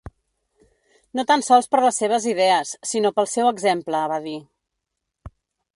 No tan sols per les seves idees, sinó pel seu exemple, va dir.